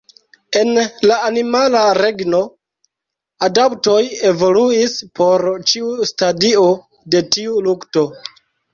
En la animala regno, adaptoj evoluis por ĉiu stadio de tiu lukto.